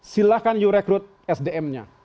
silahkan you rekrut sdm nya